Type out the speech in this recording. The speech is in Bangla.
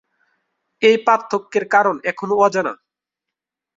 এই পার্থক্যের কারণ এখনো অজানা।